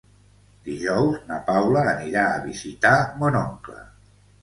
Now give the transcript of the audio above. Dijous na Paula anirà a visitar mon oncle.